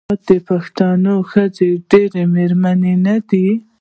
آیا د پښتنو ښځې ډیرې میړنۍ نه دي؟